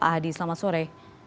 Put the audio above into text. hadi selamat sore